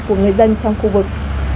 của người dân trong khu vực